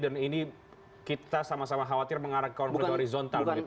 dan ini kita sama sama khawatir mengarahkan konflik horizontal gitu ya